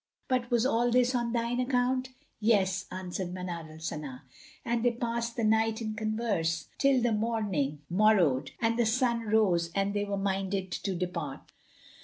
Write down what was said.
But was all this on thine account?" "Yes," answered Manar al Sana, and they passed the night in converse till the morning morrowed and the sun rose and they were minded to depart.